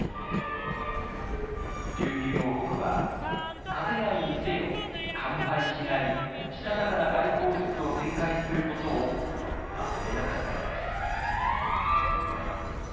琉球王国は勝てないにせよ完敗しないしたたかな外交術を展開することを忘れなかったのです。